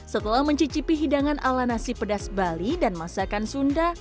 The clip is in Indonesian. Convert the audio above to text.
setelah mencicipi hidangan ala nasi pedas bali dan masakan sunda